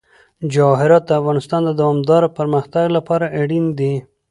جواهرات د افغانستان د دوامداره پرمختګ لپاره اړین دي.